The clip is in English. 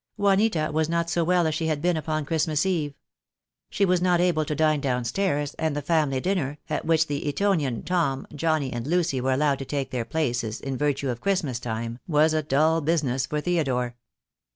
Juanita was not so well as she had been upon Christmas Eve. She was not able to dine downstairs, and the family dinner, at which the Etonian Tom, Johnnie, and Lucy were allowed to take their places in virtue of Christmas time, was a dull busi ness for Theodore.